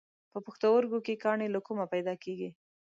په پښتورګو کې کاڼي له کومه پیدا کېږي؟